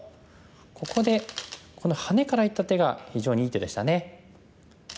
ここでこのハネからいった手が非常にいい手でしたね。